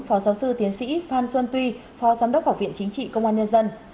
phó giáo sư tiến sĩ phan xuân tuy phó giám đốc học viện chính trị công an nhân dân